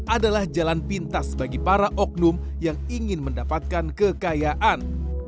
adalah jalan pintas bagi para oknum yang ingin mendapatkan kekayaan